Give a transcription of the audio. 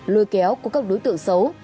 lôi kéo của các đối tượng xấu